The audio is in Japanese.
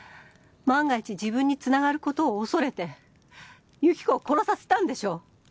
万が一自分につながることを恐れて由紀子を殺させたんでしょう？